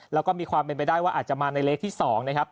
แล้วก็มีความเป็นไปได้ว่าอาจจะมาในเลขที่๒นะครับ